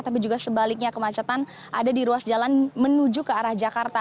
tapi juga sebaliknya kemacetan ada di ruas jalan menuju ke arah jakarta